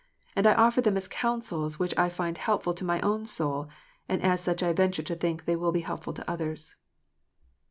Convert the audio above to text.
And I offer them as counsels which I find helpful to my own soul, and as such I venture to think they will be helpful to others.